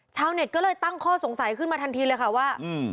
ชาวเน็ตก็เลยตั้งข้อสงสัยขึ้นมาทันทีเลยค่ะว่า